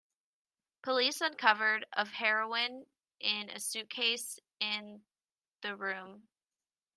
Police uncovered of heroin in a suitcase in the room.